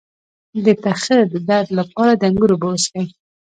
د تخه د درد لپاره د انګور اوبه وڅښئ